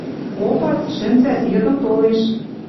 Попат, шӹнзӓт, йыдым толеш